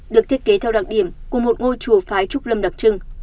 được thiết kế theo đặc điểm của một ngôi chùa phái trúc lâm đặc trưng